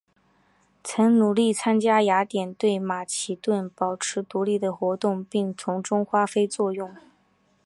曾努力参加雅典对马其顿保持独立的活动并从中发挥作用。